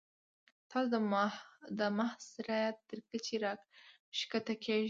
تاسو د محض رعیت تر کچې راښکته کیږئ.